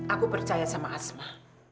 aku percaya sama asma